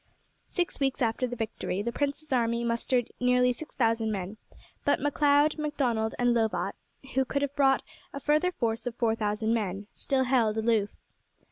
Six weeks after the victory the prince's army mustered nearly six thousand men; but Macleod, Macdonald, and Lovat, who could have brought a further force of four thousand men, still held aloof.